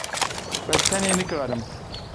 Ez tenê nikarim.